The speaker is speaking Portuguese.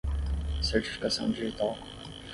Certificação digital